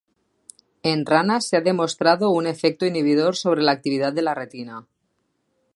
En ranas se ha demostrado un efecto inhibidor sobre la actividad de la retina.